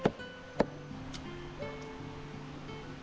kasian kalau gak ketemu satu hari itu gak